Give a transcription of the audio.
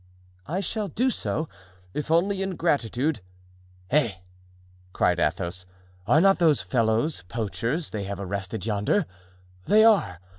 "I shall do so, if only in gratitude——" "Eh!" cried Athos, "are not those fellows poachers they have arrested yonder? They are.